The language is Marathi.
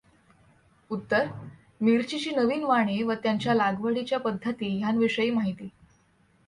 उत्तर: मिरचीची नवीन वाणे व त्यांच्या लागवडीच्या पद्धती ह्यांविषयी माहिती